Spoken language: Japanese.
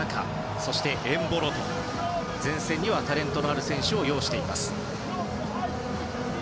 そして、エンボロと前線にはタレントのある選手を擁しています。